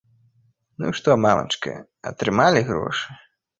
Ну што, мамачка, атрымалі грошы?